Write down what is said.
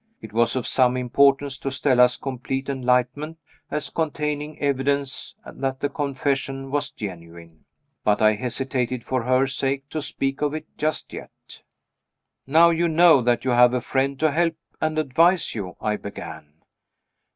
It was of some importance to Stella's complete enlightenment, as containing evidence that the confession was genuine. But I hesitated, for her sake, to speak of it just yet. "Now you know that you have a friend to help and advise you " I began.